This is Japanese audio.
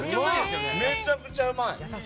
めちゃくちゃうまい！